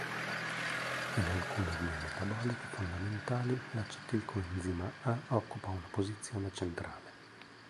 In alcune vie metaboliche fondamentali l'acetil coenzima A occupa una posizione centrale.